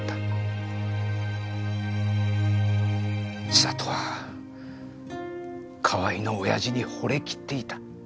千里は河合のオヤジに惚れきっていた。